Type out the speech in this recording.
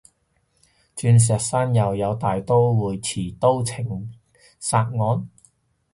鑽石山又有大刀會持刀情殺案？